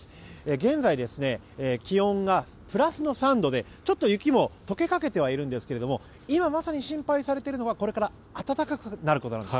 現在、気温がプラスの３度でちょっと雪も解けかけているんですが今まさに心配されているのはこれから暖かくなることなんです。